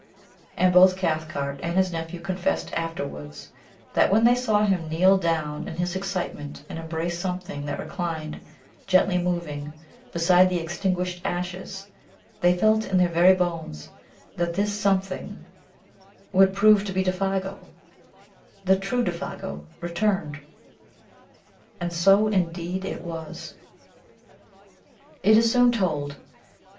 And both Cathcart and his nephew confessed afterwards that when they saw him kneel down in his excitement and embrace something that reclined, gently moving, beside the extinguished ashes, they felt in their very bones that this "something" would prove to be Défago the true Défago, returned. And so, indeed, it was. It is soon told.